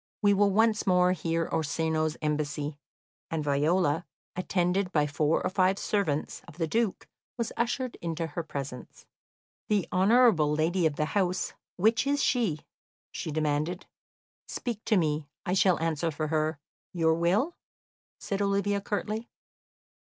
We will once more hear Orsino's embassy;" and Viola, attended by four or five servants of the Duke, was ushered into her presence. "The honourable lady of the house, which is she?" she demanded. "Speak to me; I shall answer for her. Your will?" said Olivia curtly.